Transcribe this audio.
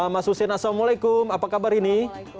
mas hussein assalamualaikum apa kabar ini